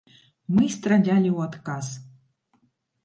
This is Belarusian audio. Мы стралялі ў адказ!